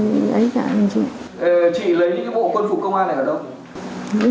chị lấy bộ quân phục công an này ở đâu